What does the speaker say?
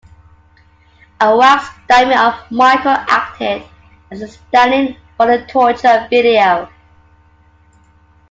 A wax dummy of Michael acted as a stand in for the "Torture" video.